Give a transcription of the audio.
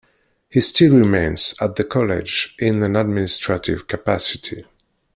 He still remains at the college in an administrative capacity.